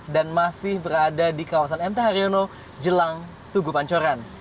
dan masih berada di kawasan mt haryono jelang tugu pancuran